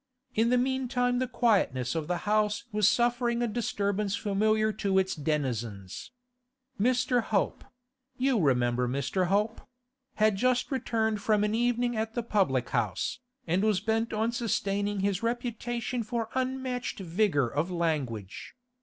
In the meantime the quietness of the house was suffering a disturbance familiar to its denizens. Mr. Hope—you remember Mr. Hope?—had just returned from an evening at the public house, and was bent on sustaining his reputation for unmatched vigour of language.